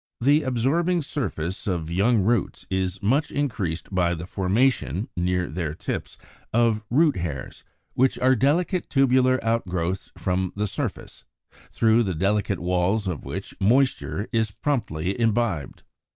73. The absorbing surface of young roots is much increased by the formation, near their tips, of ROOT HAIRS (Fig. 81, 82), which are delicate tubular outgrowths from the surface, through the delicate walls of which moisture is promptly imbibed.